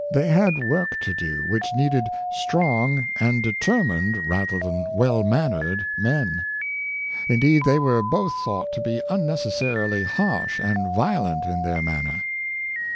They had work to do which needed strong and determined rather than well mannered men. Indeed, they were both thought to be unnecessarily harsh and violent in their manner.